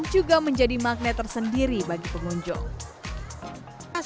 juga menjadi magnet tersendiri bagi pengunjung